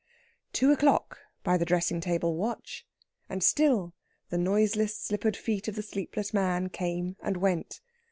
Two o'clock by the dressing table watch, and still the noiseless slippered feet of the sleepless man came and went.